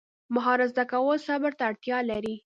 مهارت زده کول صبر ته اړتیا لري.